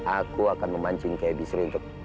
aku akan memancing ke ebisiri untuk